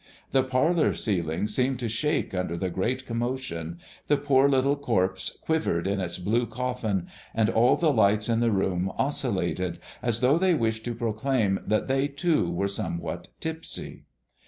The parlor ceiling seemed to shake under the great commotion; the poor little corpse quivered in its blue coffin; and all the lights in the room oscillated as though they wished to proclaim that they too were somewhat tipsy.